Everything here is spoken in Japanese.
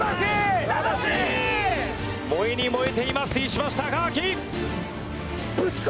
燃えに燃えています石橋貴明！